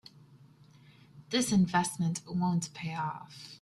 This investment won't pay off.